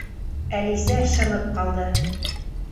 Әлисә шымып ҡалды.